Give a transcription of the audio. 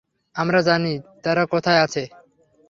আমরা জানি তারা কোথায় আছে।